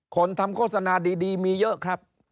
คนทำโฆษณาดีมีเยอะครับ